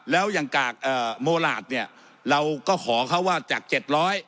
แล้วอย่างกากเอ่อโมหลาดเนี่ยเราก็ขอเขาว่าจากเจ็ดร้อย